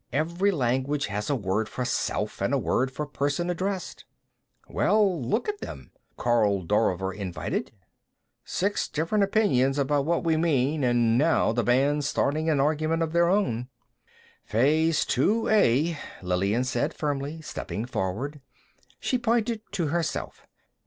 "Every language has a word for self and a word for person addressed." "Well, look at them," Karl Dorver invited. "Six different opinions about what we mean, and now the band's starting an argument of their own." "Phase Two A," Lillian said firmly, stepping forward. She pointed to herself.